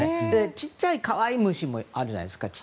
小さくて可愛い虫もあるじゃないですか。